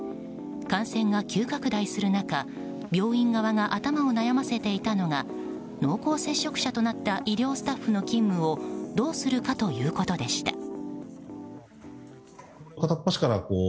感染が急拡大する中病院側が頭を悩ませていたのが濃厚接触者となった医療スタッフの勤務をどうするかということでした。